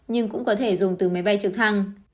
nhưng cũng có thể dùng từ máy bay trực thăng